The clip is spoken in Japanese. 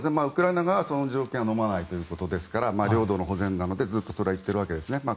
ウクライナ側はその条件をのまないということですから領土の保全なのでずっとそれは言っているわけですね。